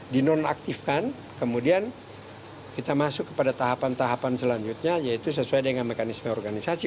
dinonaktifkan kemudian kita masuk kepada tahapan tahapan selanjutnya yaitu sesuai dengan mekanisme organisasi